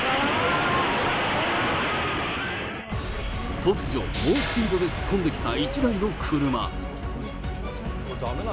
突如、猛スピードで突っ込んできた１台の車。